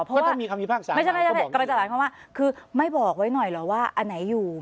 ก็ไม่แปลกบอกไว้หน่อยเหรอว่า